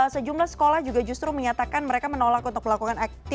sejumlah sekolah juga justru menyatakan mereka menolak untuk melakukan aktivitas